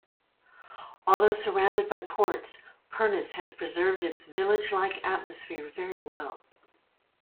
Although surrounded by ports, Pernis has preserved its village-like atmosphere very well.